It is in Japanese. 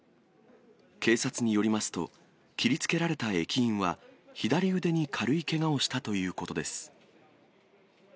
警察によりますと、切りつけられた駅員は、左腕に軽いけがをしたということです。